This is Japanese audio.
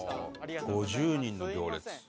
５０人の行列。